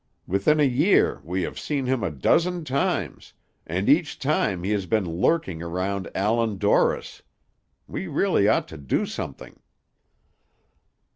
Within a year we have seen him a dozen times, and each time he has been lurking around Allan Dorris. We really ought to do something."